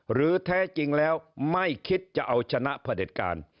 แท้จริงแล้วไม่คิดจะเอาชนะเผด็จการ